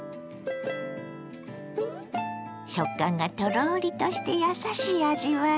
食感がトロリとしてやさしい味わい。